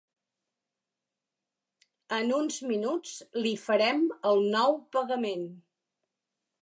En uns minuts li farem el nou pagament.